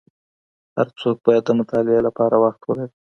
هر څوک باید د مطالعې لپاره وخت ولري.